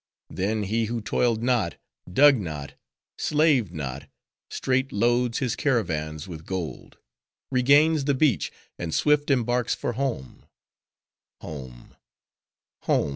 Then he who toiled not, dug not, slaved not, straight loads his caravans with gold; regains the beach, and swift embarks for home. 'Home! home!